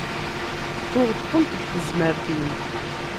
Tuɣeḍ-tent deg tezmert-im.